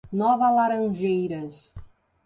Nova Laranjeiras